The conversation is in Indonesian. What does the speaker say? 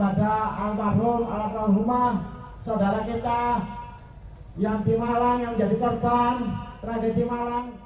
bagaimana antar rumah saudara kita yang timalang yang jadi pertan tragedi timalang